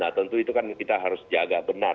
dan tentu itu kan kita harus jaga benar